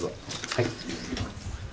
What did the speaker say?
はい。